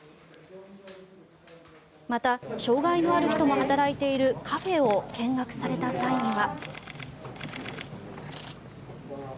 また、障害のある人も働いているカフェを見学された際には。